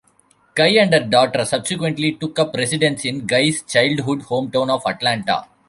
Guy and her daughter subsequently took up residence in Guy's childhood hometown of Atlanta.